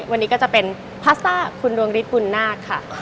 วันนี้ก็จะเป็นพาสต้าคุณดวงฤทธบุญนาคค่ะ